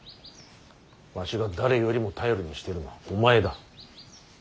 わしが誰よりも頼りにしているのはお前だ。